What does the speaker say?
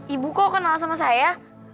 ibu kok kenal sama saya